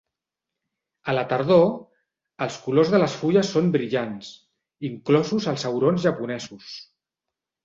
A la tardor, els colors de les fulles són brillants, inclosos els aurons japonesos.